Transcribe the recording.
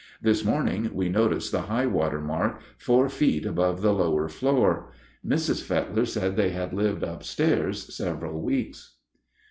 This morning we noticed the high water mark, four feet above the lower floor. Mrs. Fetler said they had lived up stairs several weeks.